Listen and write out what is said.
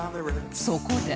そこで